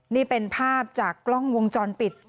นี่เป็นภาพจากกล้องวงจรปิด